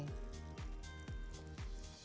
jadi nanti bisa matang